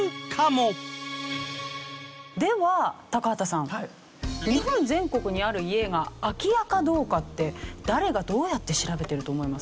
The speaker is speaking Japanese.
では高畑さん日本全国にある家が空き家かどうかって誰がどうやって調べてると思います？